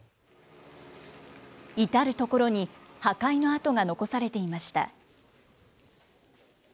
至る所に破壊の跡が残されていました。